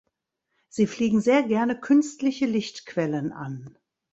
Sie fliegen sehr gerne künstliche Lichtquellen an.